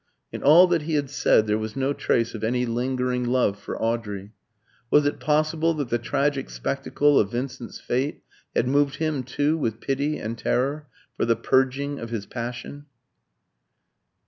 In all that he had said there was no trace of any lingering love for Audrey. Was it possible that the tragic spectacle of Vincent's fate had moved him too with pity and terror, for the purging of his passion?